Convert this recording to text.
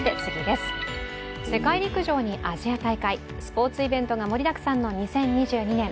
世界陸上にアジア大会スポーツイベントが盛りだくさんの２０２２年。